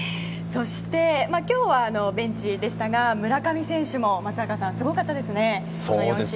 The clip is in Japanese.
そして今日はベンチでしたが村上選手も、松坂さんすごかったですね。